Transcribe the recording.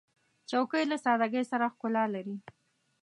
چوکۍ له سادګۍ سره ښکلا لري.